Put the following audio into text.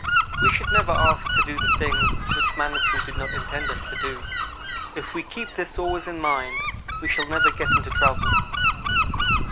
"We should never ask to do the things which Manitou did not intend us to do. If we keep this always in mind we shall never get into trouble.